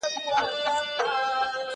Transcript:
هغه وويل چي درسونه لوستل کول مهم دي!؟